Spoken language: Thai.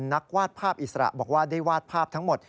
วาดภาพอิสระบอกว่าได้วาดภาพทั้งหมด